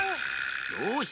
よし！